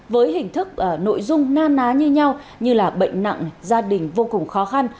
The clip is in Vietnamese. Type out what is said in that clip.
với hình thức nội dung na ná như nhau như là bệnh nặng gia đình vô cùng khó khăn